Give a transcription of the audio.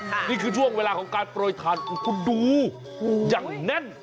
นี่คือช่วงเวลาของการโปรยทานคุณดูอย่างแน่น